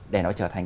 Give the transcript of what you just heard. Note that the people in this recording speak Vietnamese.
để nó trở thành